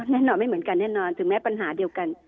แน่นอนไม่เหมือนกันแน่นอนถึงแม้ปัญหาเดียวกัน